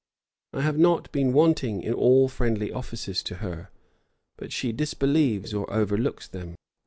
I have not been wanting in all friendly offices to her; but she disbelieves or overlooks them.